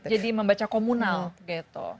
jadi membaca komunal gitu